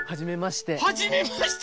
はじめまして。